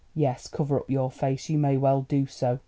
Yes, cover up your face—you may well do so.